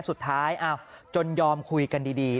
สุดท้ายจนยอมคุยกันดี